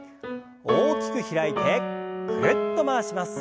大きく開いてぐるっと回します。